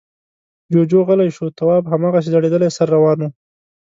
جُوجُو غلی شو. تواب هماغسې ځړېدلی سر روان و.